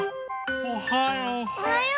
おはよう。